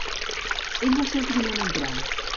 Ell va ser el primer d’entrar.